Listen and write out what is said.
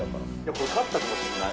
これ、勝ったかもしれない。